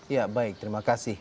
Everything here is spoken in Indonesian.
ya baik terima kasih